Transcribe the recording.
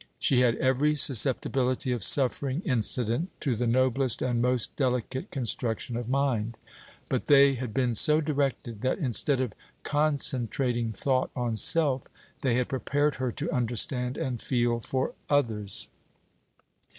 She had every susceptibility of suffering incident to the noblest and most delicate construction of mind; but they had been so directed, that, instead of concentrating thought on self, they had prepared her to understand and feel for others.